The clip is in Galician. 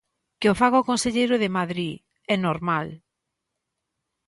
Que o faga o conselleiro de Madrid, é normal.